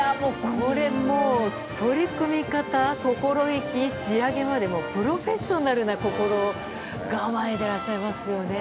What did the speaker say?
これもう取り組み方、心意気仕上げまでプロフェッショナルな心構えでいらっしゃいますよね。